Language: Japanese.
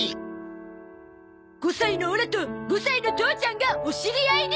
５歳のオラと５歳の父ちゃんがおしり合いに！